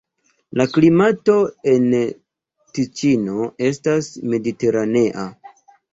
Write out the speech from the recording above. La klimato en Tiĉino estas mediteranea.